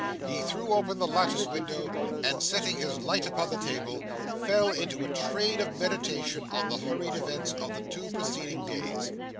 He threw open the lattice window, and setting his light upon the table, fell into a train of meditation on the hurried events of the two preceding days.